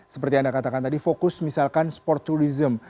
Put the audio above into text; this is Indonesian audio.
seperti anda katakan tadi fokus misalkan sport tourism